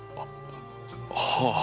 はあ。